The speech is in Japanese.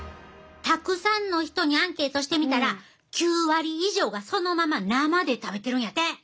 たくさんの人にアンケートしてみたら９割以上がそのまま生で食べてるんやて。